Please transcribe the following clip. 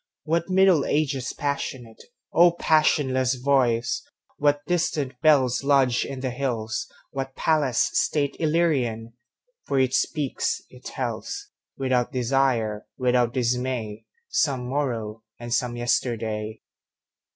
What Middle Ages passionate,O passionless voice! What distant bellsLodged in the hills, what palace stateIllyrian! For it speaks, it tells, Without desire, without dismay, Some morrow and some yesterday.